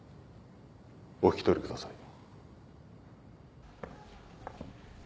お引き取りください。